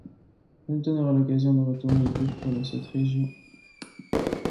Elton aura l’occasion de retourner deux fois dans cette région.